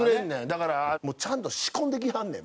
だからもうちゃんと仕込んできはんねん。